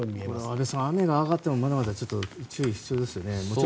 安部さん、雨が上がってもまだまだ注意が必要ですね。